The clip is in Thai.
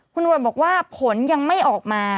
คุณหวนบอกว่าผลยังไม่ออกมา